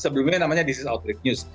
sebelumnya namanya disease outbreak use